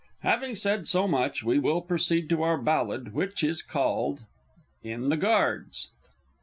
Having said so much, we will proceed to our ballad, which is called, IN THE GUARDS!